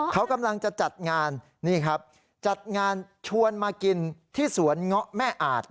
เขากำลังจะจัดงานนี่ครับจัดงานชวนมากินที่สวนเงาะแม่อาจ